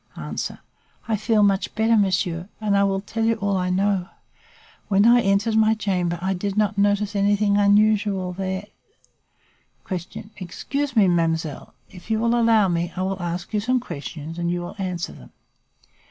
"Answer. I feel much better, monsieur, and I will tell you all I know. When I entered my chamber I did not notice anything unusual there. "Q. Excuse me, mademoiselle, if you will allow me, I will ask you some questions and you will answer them.